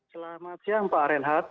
selamat siang pak renhat